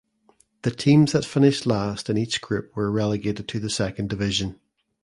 The teams that finished last in each group were relegated to the second division.